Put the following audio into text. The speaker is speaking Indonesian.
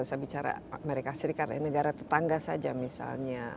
amerika serikat negara tetangga saja misalnya